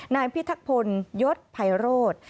นายพิธักพลยศไผโรธ